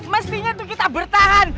mestinya tuh kita bertahan